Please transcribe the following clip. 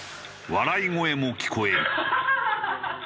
笑い声も聞こえる。